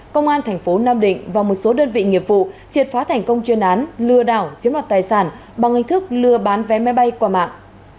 công an thành phố nam định và một số đơn vị nghiệp vụ triệt phá thành công chuyên án lừa đảo chiếm đoạt tài sản bằng hình thức lừa bán vé máy bay qua mạng